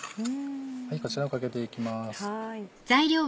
こちらをかけていきます。